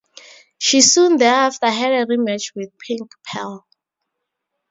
She soon thereafter had a rematch with Pink Pearl.